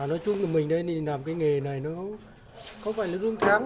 nói chung là mình làm cái nghề này nó không phải là lương trắng